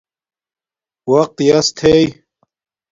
وقت یاس تھݵ